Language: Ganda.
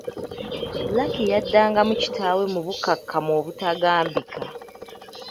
Lucky yaddangamu kitaawe mu bukkakkamu obutagambika.